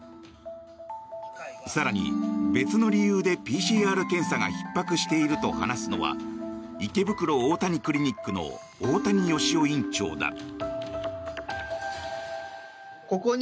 更に別の理由でＰＣＲ検査がひっ迫していると話すのは池袋大谷クリニックの大谷義夫院長だ。